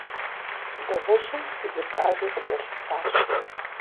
Дыгъужьым зы Бажи къыкӀэлъысащ.